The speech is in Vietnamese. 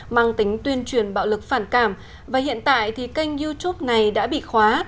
mang tính tuyên truyền bạo lực phản cảm và hiện tại thì kênh youtube này đã bị khóa